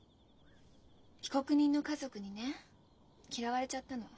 被告人の家族にね嫌われちゃったの。